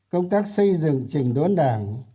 công tác xây dựng chỉnh đốn đảng